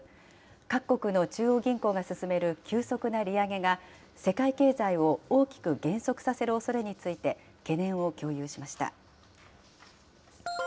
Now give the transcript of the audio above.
各国の中央銀行が進める急速な利上げが、世界経済を大きく減速させるおそれについて、懸念を共有しました。